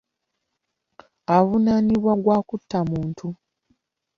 Avunaaniddwa gwa kutta muntu.